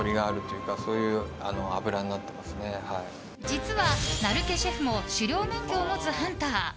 実は成毛シェフも狩猟免許を持つハンター。